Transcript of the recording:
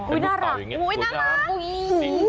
อุ้ยน่ารักอุ้ยน่ารัก